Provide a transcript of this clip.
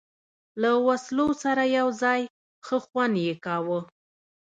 له وسلو سره یو ځای، ښه خوند یې کاوه.